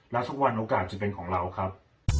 และทุกวันโอกาสจะเป็นของเราครับ